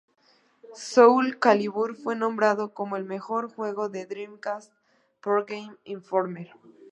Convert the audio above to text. Soulcalibur fue nombrado como el mejor juego de Dreamcast por Game Informer.